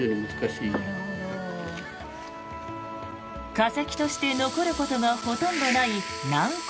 化石として残ることがほとんどない軟骨。